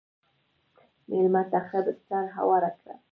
مېلمه ته ښه بستر هوار کړه.